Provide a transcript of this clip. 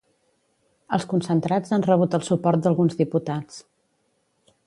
Els concentrats han rebut el suport d’alguns diputats.